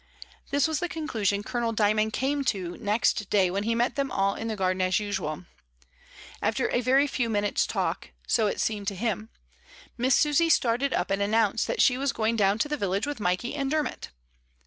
This was the conclusion Colonel Dymond came to next day when he met them all in the garden as usual. After a very few minutes' talk — so it seemed to him — Miss Susy started up and announced that she was going down to the village with Mikey and Dermot.